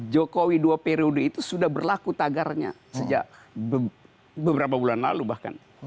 jokowi dua periode itu sudah berlaku tagarnya sejak beberapa bulan lalu bahkan